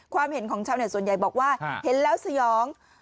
ความเห็นของชาวเน็ตส่วนใหญ่บอกว่าเห็นแล้วสยอง